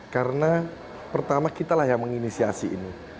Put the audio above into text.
karena pertama kitalah yang menginisiasi ini